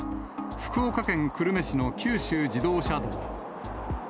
福岡県久留米市の九州自動車道。